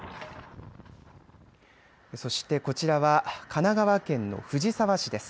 そして、こちらは神奈川県の藤沢市です。